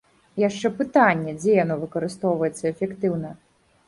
І яшчэ пытанне, дзе яно выкарыстоўваецца эфектыўна.